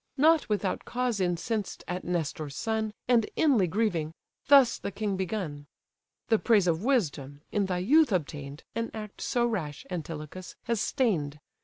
Not without cause incensed at Nestor's son, And inly grieving, thus the king begun: "The praise of wisdom, in thy youth obtain'd, An act so rash, Antilochus! has stain'd.